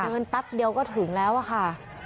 เดินแป๊บเดียวก็ถึงแล้วอะค่ะ